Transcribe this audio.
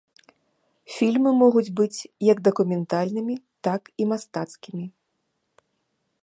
Фільмы могуць быць як дакументальнымі, так і мастацкімі.